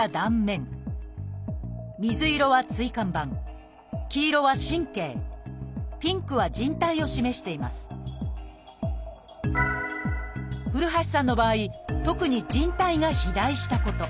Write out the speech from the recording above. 水色は椎間板黄色は神経ピンクはじん帯を示しています古橋さんの場合特にじん帯が肥大したこと。